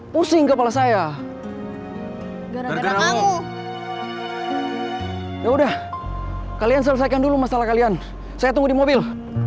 pusing kepala saya udah kalian selesaikan dulu masalah kalian saya tunggu di mobil